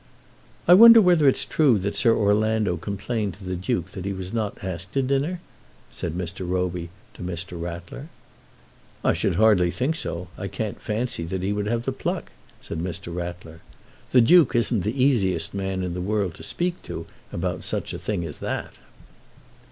"I wonder whether it's true that Sir Orlando complained to the Duke that he was not asked to dinner?" said Mr. Roby to Mr. Rattler. "I should hardly think so. I can't fancy that he would have the pluck," said Mr. Rattler. "The Duke isn't the easiest man in the world to speak to about such a thing as that."